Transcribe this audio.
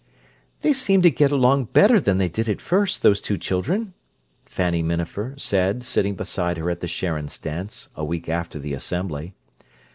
"They seem to get along better than they did at first, those two children," Fanny Minafer said sitting beside her at the Sharons' dance, a week after the Assembly.